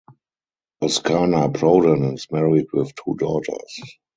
Oksana Prodan is married with two daughters.